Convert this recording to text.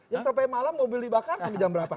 yang sampai malam mobil dibakar sampai jam berapa